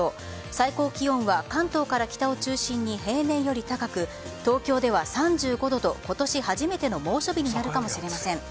最高気温は関東から北を中心に平年より高く東京では３５度と今年初めての猛暑日になるかもしれません。